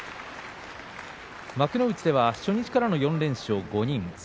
幕内では初日からの４連勝５人です。